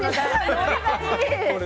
ノリがいい！